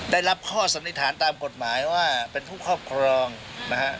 ได้รับข้อสันนิษฐานตามกฎหมายว่าเป็นผู้ครอบครองนะฮะ